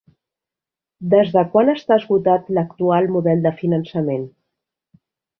Des de quan està esgotat l'actual model de finançament?